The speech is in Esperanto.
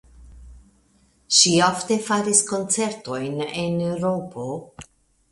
Ŝi ofte faris koncertojn en Eŭropo.